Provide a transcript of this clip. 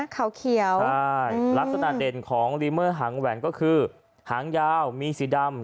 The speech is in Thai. ขาวเขียวใช่ลักษณะเด่นของลีเมอร์หางแหวนก็คือหางยาวมีสีดำ